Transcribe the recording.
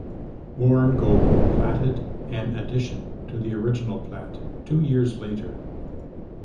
Warren Goble platted an addition to the original plat two years later.